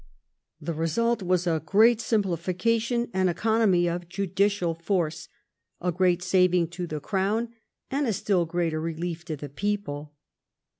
The result was a great simplification and economy of judicial force, a great sa\ang to the crown, and a still greater relief to the people.